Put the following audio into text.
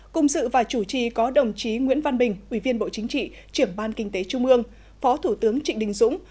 cùng sự và chủ trì có đồng chí nguyễn văn bình ủy viên bộ chính trị trưởng ban kinh tế trung ương phó thủ tướng trịnh đình dũng